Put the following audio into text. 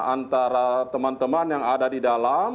antara teman teman yang ada di dalam